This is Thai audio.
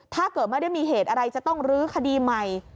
ถ้าเกิดไม่ได้มีเหตุอะไรจะต้องลื้อคดีใหม่